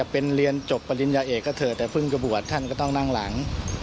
เพิ่งจะบวชมาก็ท่านก็ต้องนั่งหลัง